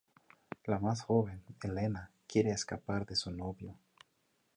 La más joven, Elena, quiere escapar de su novio.